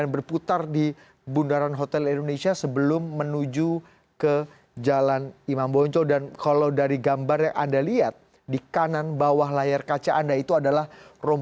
berita terkini mengenai cuaca ekstrem dua ribu dua puluh satu